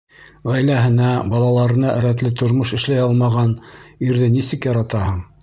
Ғаиләһенә, балаларына рәтле тормош эшләй алмаған ирҙе нисек яратаһың?